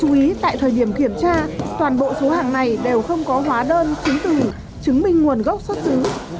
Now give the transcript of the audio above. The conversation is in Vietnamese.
quý tại thời điểm kiểm tra toàn bộ số hàng này đều không có hóa đơn chứng từ chứng minh nguồn gốc xuất tứ